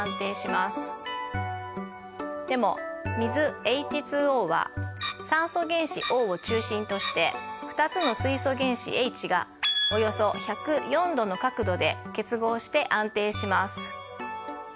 でも水ＨＯは酸素原子Ｏを中心として２つの水素原子Ｈがおよそ１０４度の角度で結合して安定します。